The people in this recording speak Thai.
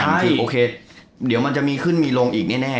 ใช่โอเคเดี๋ยวมันจะมีขึ้นมีลงอีกแน่